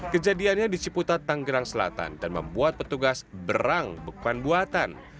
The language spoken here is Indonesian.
kejadiannya di ciputat tanggerang selatan dan membuat petugas berang bekuan buatan